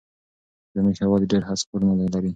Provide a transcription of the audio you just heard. زموږ هيواد ډېر هسک غرونه لري